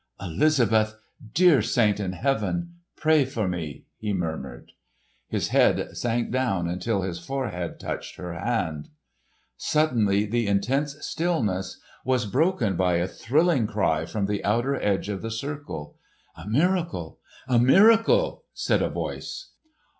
"Elizabeth—dear saint in heaven—pray for me!" he murmured. His head sank down until his forehead touched her hand. Suddenly the intense stillness was broken by a thrilling cry from the outer edge of the circle. "A miracle! a miracle!" said a voice.